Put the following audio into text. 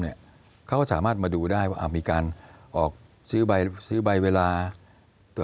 เขาก็สามารถมาดูได้ว่ามีการซื้อใบเวลา